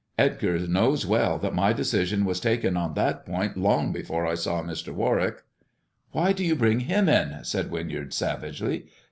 " Edgar knows well that my decision was taken on that point long before I saw Mr. Warwick." Why do you bring him in ?" said Winyard savagely.